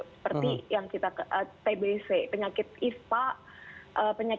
seperti yang kita tbc penyakit ispa penyakit